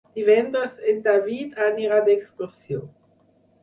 Divendres en David anirà d'excursió.